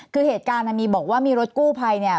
คือเหตุการณ์อันนี้บอกว่ามีรถกู้ไพร